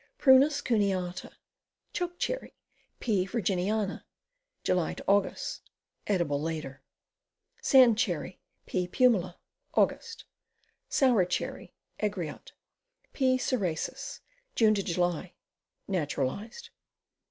Prunus cuneata. Choke Cherry. P. Virginiana. July Aug. (Edible later.) Sand Cherry. P. 'pumila. Aug. Sour Cherry. Egriot. P. Cerasus. June July. Natural ized.